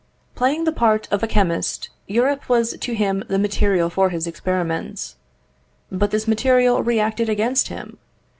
Playing the part of a chemist, Europe was to him the material for his experiments. But this material reacted against him.